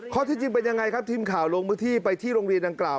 ที่จริงเป็นยังไงครับทีมข่าวลงพื้นที่ไปที่โรงเรียนดังกล่าว